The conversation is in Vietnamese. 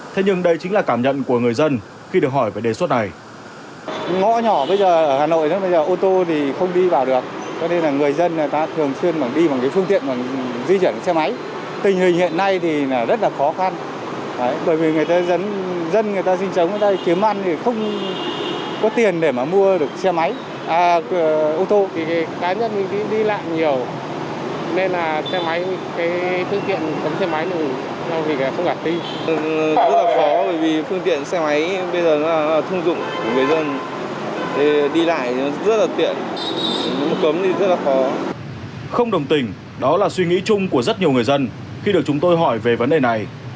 thế nhưng đây chính là cảm nhận của người dân khi được hỏi về đề xuất này